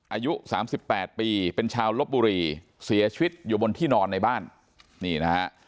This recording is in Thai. อายุสามสิบแปดปีเป็นชาวลบบุรีเสียชีวิตอยู่บนที่นอนในบ้านนี่นะฮะ